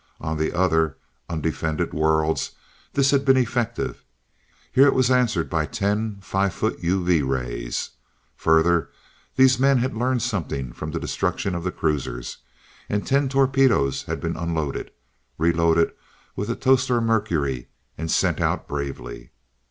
On the other, undefended worlds, this had been effective. Here it was answered by ten five foot UV rays. Further, these men had learned something from the destruction of the cruisers, and ten torpedoes had been unloaded, reloaded with atostor mercury, and sent out bravely.